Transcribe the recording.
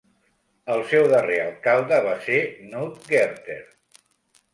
El seu darrer alcalde va ser Knud Gerther.